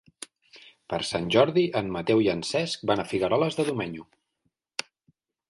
Per Sant Jordi en Mateu i en Cesc van a Figueroles de Domenyo.